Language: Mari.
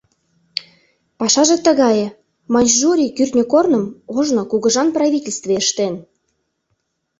Пашаже тыгае: Маньчжурий кӱртньӧ корным ожно кугыжан правительстве ыштен.